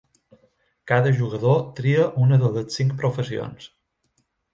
Cada jugador tria una de les cinc professions.